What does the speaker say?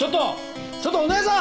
ちょっとお義姉さん！